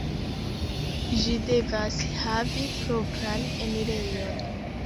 Ĝi devas havi propran enirejon.